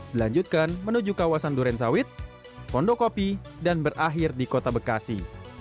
dilanjutkan menuju kawasan duren sawit pondokopi dan berakhir di kota bekasi